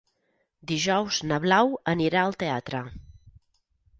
Dijous na Blau anirà al teatre.